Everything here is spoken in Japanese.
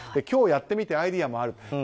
今日、やってみてアイデアもある。